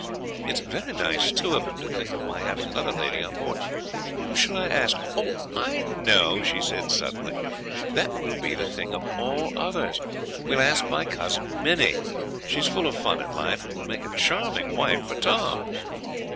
It is very nice, too, of him to think of my having another lady on board. Whom shall we ask? Oh, I know," she said suddenly; "that will be the thing of all others. We will ask my cousin Minnie; she is full of fun and life, and will make a charming wife for Tom!"